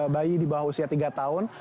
bayi di bawah usia tiga tahun